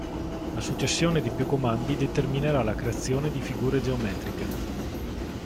La successione di più comandi determinerà la creazione di figure geometriche.